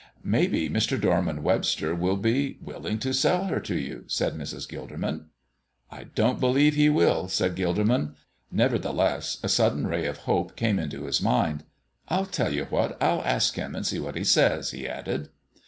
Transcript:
"Maybe Mr. Dorman Webster will be willing to sell her to you," said Mrs. Gilderman. "I don't believe he will," said Gilderman. Nevertheless, a sudden ray of hope came into his mind. "I'll tell you what; I'll ask him and see what he says," he added.